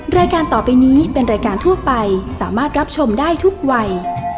รายการต่อไปนี้เป็นรายการทั่วไปสามารถรับชมได้ทุกวัย